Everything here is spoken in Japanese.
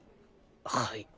はい。